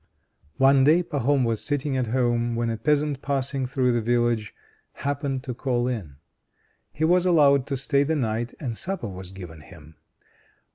One day Pahom was sitting at home, when a peasant passing through the village, happened to call in. He was allowed to stay the night, and supper was given him.